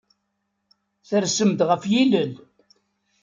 Tersem-d ɣef yilel.